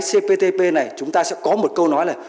cptp này chúng ta sẽ có một câu nói là